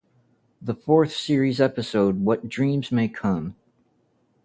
The fourth series episode What Dreams May Come?